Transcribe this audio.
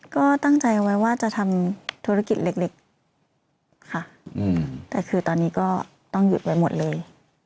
ก็ตั้งใจไว้ว่าจะทำธุรกิจเล็กค่ะแต่คือตอนนี้ก็ต้องหยุดไว้หมดเลย